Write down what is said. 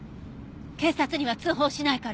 警察には通報しないから。